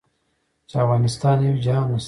چې افغانستان نه وي جهان نشته.